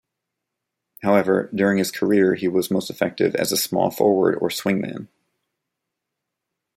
However, during his career he was most effective as a small forward or swingman.